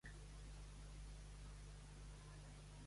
Va ser dirigit per Toni Soler i produït per El Terrat.